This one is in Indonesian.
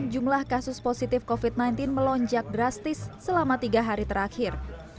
jumlah kasus positif covid sembilan belas melonjak drastis selama tiga hari terakhir